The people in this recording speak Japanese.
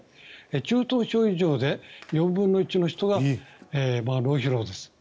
中等症以上で４分の１の人が脳疲労です。